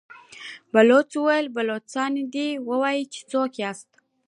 بلوڅ وويل: بلوڅان دي، وايي چې څوک ياست؟